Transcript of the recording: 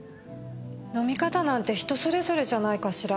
飲み方なんて人それぞれじゃないかしら。